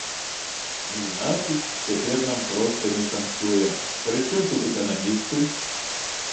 Значыць, цяпер нам проста не шанцуе, прычым тут эканамісты?